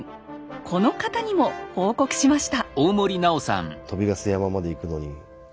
この方にも報告しました。